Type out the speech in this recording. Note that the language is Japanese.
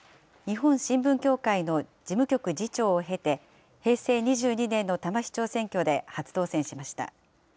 日本新聞協会の事務局次長を経て、平成２２年の多摩市長選挙で初当選しました。